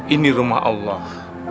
ini rumah allah